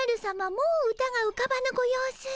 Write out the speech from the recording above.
もう歌がうかばぬご様子。